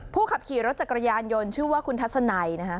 ขับขี่รถจักรยานยนต์ชื่อว่าคุณทัศนัยนะฮะ